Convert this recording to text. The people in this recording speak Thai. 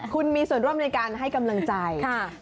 คุณมีส่วนร่วมในการให้กำลังใจ